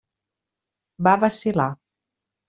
Va vacil·lar.